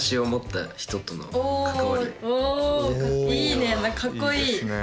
いいねかっこいい。